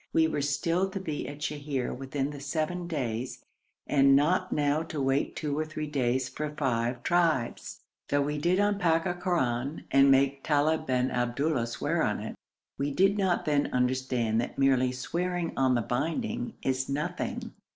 We were still to be at Sheher within the seven days, and not now to wait two or three days for the five tribes. Though we did unpack a Koran and make Talib bin Abdullah swear on it, we did not then understand that merely swearing on the binding is nothing.